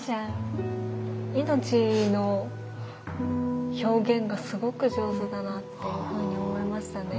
命の表現がすごく上手だなっていうふうに思いましたね。